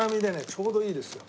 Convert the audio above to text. ちょうどいいですよ。